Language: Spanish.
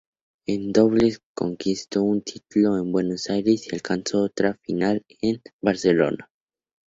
En dobles conquistó un título en Buenos Aires y alcanzó otra final en Barcelona.